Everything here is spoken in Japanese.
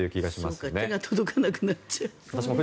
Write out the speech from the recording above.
手が届かなくなっちゃう。